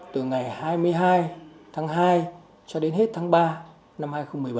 từ ngày hai mươi hai tháng hai cho đến hết tháng ba năm hai nghìn một mươi bảy